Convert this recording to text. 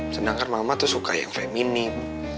sedangkan mama suka yang feminim